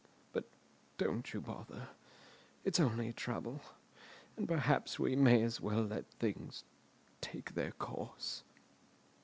But don't you bother. It's only a trouble, and perhaps we may as well let things take their course."